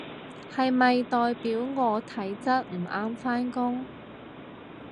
係咪代表我體質唔啱返工？